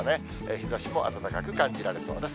日ざしも暖かく感じられそうです。